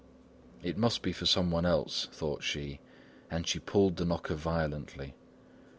"It must be for some one else," thought she; and she pulled the knocker violently.